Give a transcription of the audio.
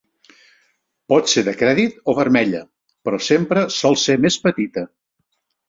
Pot ser de crèdit o vermella, però sempre sol ser més petita.